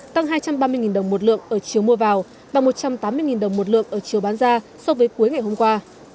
tăng hai trăm ba mươi đồng một lượng ở chiều mua vào và một trăm tám mươi đồng một lượng ở chiều bán ra so với cuối ngày hôm qua